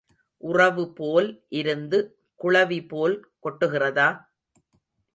உறவுபோல் இருந்து குளவிபோல் கொட்டுகிறதா?